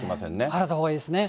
はらったほうがいいですね。